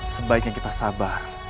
sebaiknya kita sabar